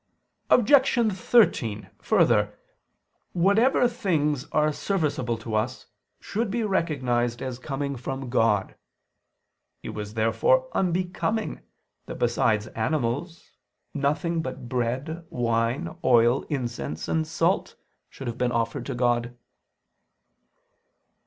Objection 13: Further, whatever things are serviceable to us should be recognized as coming from God. It was therefore unbecoming that besides animals, nothing but bread, wine, oil, incense, and salt should be offered to God.